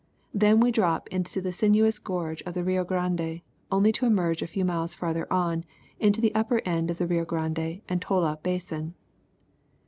Then we drop into the sinuous gorge of the Rio Grande only to emerge, a few miles farther on, into the upper end of the Rio Grande and Tola basin.